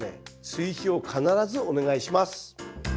追肥を必ずお願いします。